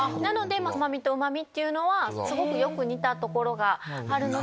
甘味とうま味っていうのはすごくよく似たところがある。